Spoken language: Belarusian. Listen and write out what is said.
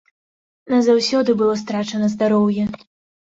Назаўсёды было страчана здароўе.